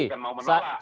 saya akan mau menolak